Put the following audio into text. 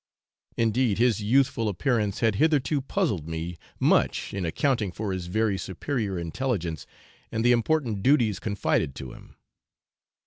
Indeed his youthful appearance had hitherto puzzled me much in accounting for his very superior intelligence and the important duties confided to him.